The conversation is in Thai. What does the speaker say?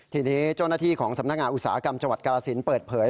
ทีนี้เจ้าหน้าที่ของสำนักงานอุตสาหกรรมจังหวัดกาลสินเปิดเผย